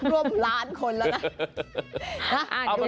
ร่วมล้านคนแล้วนะ